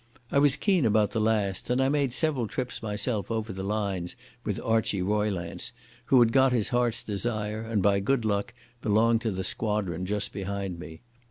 I was keen about the last, and I made several trips myself over the lines with Archie Roylance, who had got his heart's desire and by good luck belonged to the squadron just behind me.